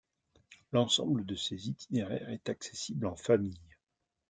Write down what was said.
L'ensemble de ces itinéraires est accessible en famille.